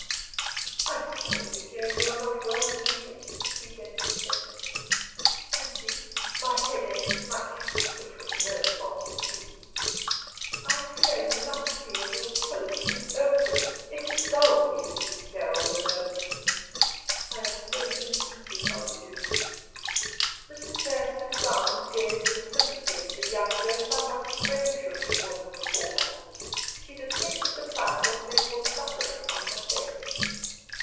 "I am sorry to hear you are not well, this evening," she gently said. "Thank you. My head aches much" which was no false plea. "I fear you must feel your solitude irksome. It is dull for you to be here all alone." "I am so used to solitude." Mrs. Hare sat down, and gazed with sympathy at the young, though somewhat strange looking woman before her. She detected the signs of mental suffering on her face.